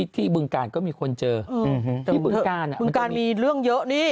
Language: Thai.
ที่บึงกาลก็มีคนเจอที่บึงกาลมีเรื่องเยอะนี่